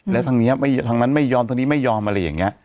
แล้วทางนี้ทางนั้นไม่ยอมทางนี้ไม่ยอมอะไรอย่างนี้